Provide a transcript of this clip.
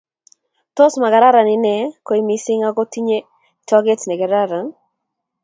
Tos magararan ine?koy mising ako tinyei toget negararan